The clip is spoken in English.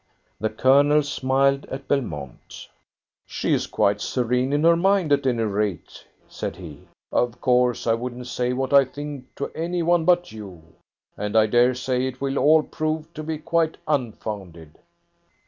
The Colonel smiled at Belmont. "She is quite serene in her mind, at any rate," said he. "Of course, I wouldn't say what I think to any one but you, and I daresay it will all prove to be quite unfounded."